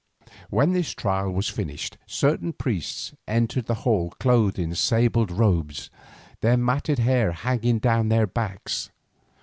When this trial was finished certain priests entered the hall clothed in sable robes, their matted hair hanging down their backs.